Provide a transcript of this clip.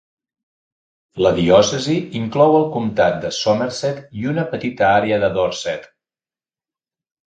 La diòcesi inclou el comtat de Somerset i una petita àrea de Dorset.